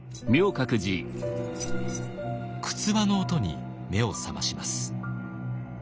くつわの音に目を覚まします。